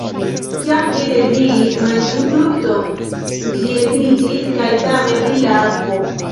Kiam li deziris manĝi frukton, ĝi retiriĝis kaj same pri la akvo.